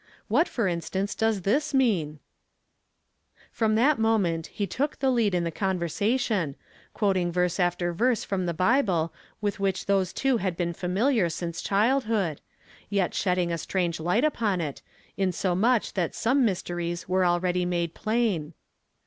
What, for instance, does this mean ?" From that moment he took the lead in tV . an versation, quoting vei se after verse from tho Bible with whicli these two had been familiar since child hood, yet shedding a strange light upon it, inso much that some mysteries were already made plain.